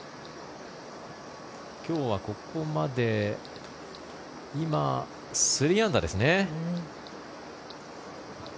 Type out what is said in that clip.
今日はここまで今３アンダーですね。